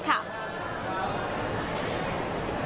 จากลินดาอุตมะค่ะ